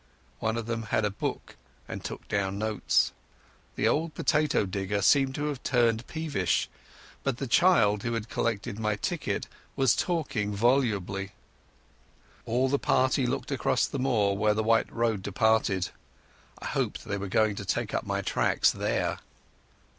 One of them had a book, and took down notes. The old potato digger seemed to have turned peevish, but the child who had collected my ticket was talking volubly. All the party looked out across the moor where the white road departed. I hoped they were going to take up my tracks there.